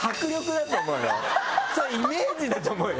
それイメージだと思うよ。